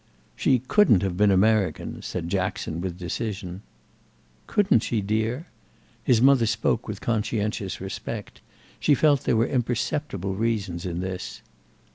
"She couldn't have been American," said Jackson with decision. "Couldn't she, dear?" His mother spoke with conscientious respect; she felt there were imperceptible reasons in this.